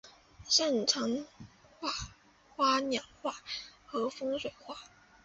擅长画花鸟画和山水画。